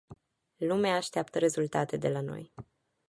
Lumea așteaptă rezultate de la noi.